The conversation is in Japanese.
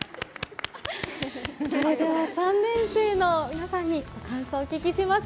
それでは３年生の皆さんに感想をお聞きします。